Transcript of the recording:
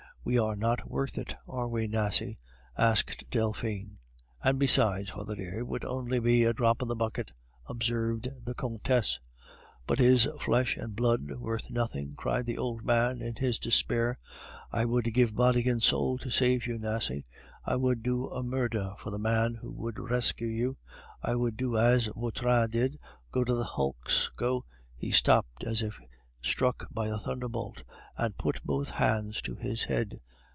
We are not worth it, are we, Nasie?" asked Delphine. "And besides, father dear, it would only be a drop in the bucket," observed the Countess. "But is flesh and blood worth nothing?" cried the old man in his despair. "I would give body and soul to save you, Nasie. I would do a murder for the man who would rescue you. I would do, as Vautrin did, go to the hulks, go " he stopped as if struck by a thunderbolt, and put both hands to his head.